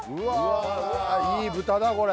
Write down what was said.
うわいい豚だこれ。